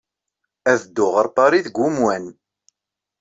Ad dduɣ ɣer Paris deg wemwan.